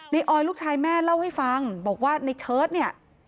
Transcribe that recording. ออยลูกชายแม่เล่าให้ฟังบอกว่าในเชิดเนี่ย